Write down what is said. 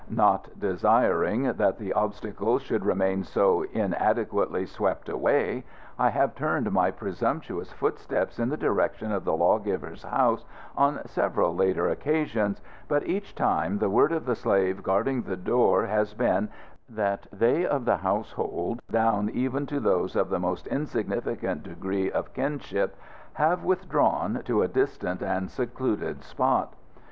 Not desiring that the obstacle should remain so inadequately swept away, I have turned my presumptuous footsteps in the direction of the Law giver's house on several later occasions, but each time the word of the slave guarding the door has been that they of the household, down even to those of the most insignificant degree of kinship, have withdrawn to a distant and secluded spot.